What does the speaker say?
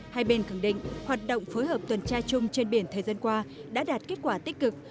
hai bên khẳng định hoạt động phối hợp tuần tra chung trên biển thời gian qua đã đạt kết quả tích cực